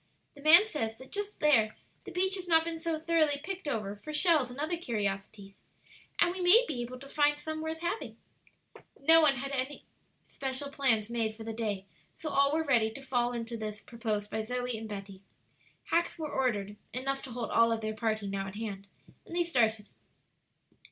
The man says that just there the beach has not been so thoroughly picked over for shells and other curiosities, and we may be able to find some worth having." No one had made any special plans for the day, so all were ready to fall into this proposed by Zoe and Betty. Hacks were ordered enough to hold all of their party now at hand and they started.